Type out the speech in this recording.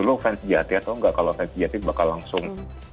lu fans jati atau enggak kalau fansi jati bakal langsung